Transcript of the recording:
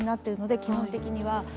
基本的には。